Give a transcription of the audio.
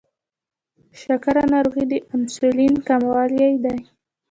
شکره ناروغي د انسولین کموالي ده.